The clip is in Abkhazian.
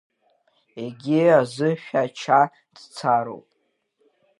Егьи азы Шәача дцароуп.